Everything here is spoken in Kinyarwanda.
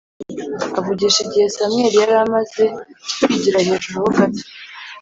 avugisha Igihe Samweli yari amaze kwigira hejuru ho gato